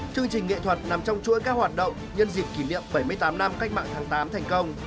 chương trình nghệ thuật nằm trong chuỗi các hoạt động nhân dịp kỷ niệm bảy mươi tám năm cách mạng tháng tám thành công